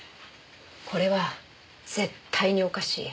これは絶対におかしい。